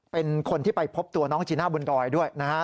เป็นคนที่ไปพบตัวน้องจีน่าบนดอยด้วยนะฮะ